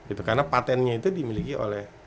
itu karena patentnya itu dimiliki oleh